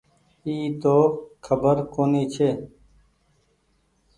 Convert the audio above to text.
اي تو کبر ڪونيٚ ڇي ۔